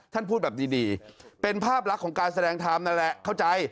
พูดแบบดีเป็นภาพลักษณ์ของการแสดงธรรมนั่นแหละเข้าใจ